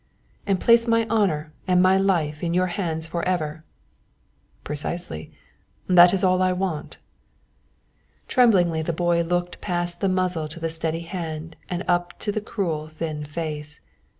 "And place my honour and my life in your hands for ever." "Precisely, that is all I want." Tremblingly the boy looked past the muzzle to the steady hand and up to the cruel, thin face.